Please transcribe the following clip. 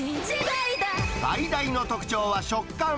最大の特徴は食感。